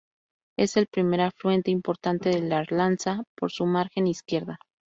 Es el primer afluente importante del Arlanza por su margen izquierda.